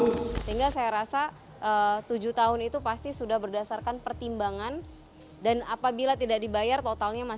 sehingga saya rasa tujuh tahun itu pasti sudah berdasarkan pertimbangan dan apabila tidak dibayar totalnya masih